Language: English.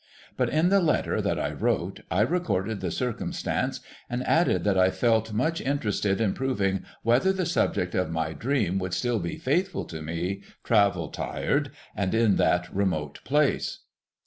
But in the letter that I wrote I recorded the circumstance, and added that I felt much interested in proving whether the subject of my dream would still be faithful to me, travel tired, and in that remote place.